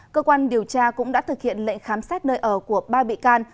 cơ quan điều tra cũng đã thực hiện lệnh khám xét nơi ở của ba bị can